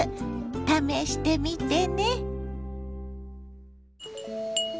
試してみてね。